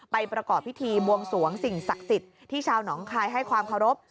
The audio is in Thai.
ประกอบพิธีบวงสวงสิ่งศักดิ์สิทธิ์ที่ชาวหนองคายให้ความเคารพ